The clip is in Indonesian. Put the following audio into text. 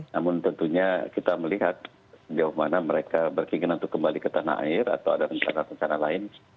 namun tentunya kita melihat sejauh mana mereka berkeinginan untuk kembali ke tanah air atau ada rencana rencana lain